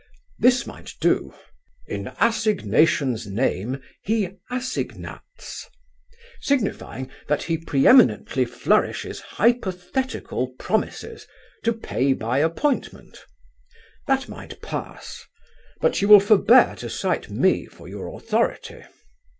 This might do: 'In Assignation's name he assignats'; signifying that he pre eminently flourishes hypothetical promises, to pay by appointment. That might pass. But you will forbear to cite me for your authority."